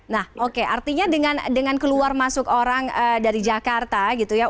nah oke artinya dengan keluar masuk orang dari jakarta gitu ya